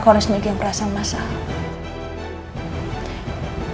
aku harus bikin perasaan mas al